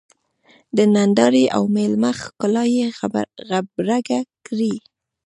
د نندارې او مېلمه ښکلا یې غبرګه کړې.